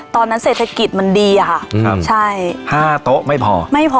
ตอนนั้นเศรษฐกิจมันดีอะค่ะครับใช่๕โต๊ะไม่พอไม่พอ